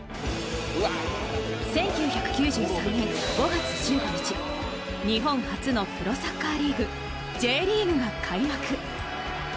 １９９３年５月１５日、日本初のプロサッカーリーグ、Ｊリーグが開幕。